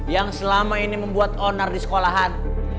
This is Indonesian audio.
yang selama ini membuat onar di sekolahan